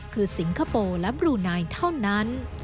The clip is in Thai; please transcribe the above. คือสิงคโปร์และบลูไนเท่านั้น